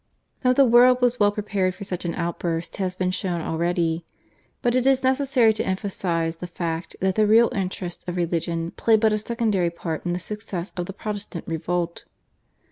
That the world was well prepared for such an outburst has been shown already, but it is necessary to emphasise the fact that the real interests of religion played but a secondary part in the success of the Protestant revolt.